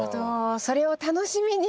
それを楽しみにまずは。